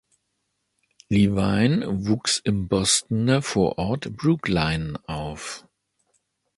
Levin wuchs im Bostoner Vorort Brookline auf.